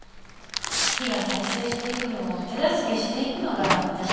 木が再生していくのを手助けしていくのが私の役目。